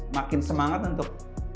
makin semangat untuk